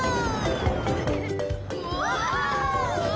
うわ！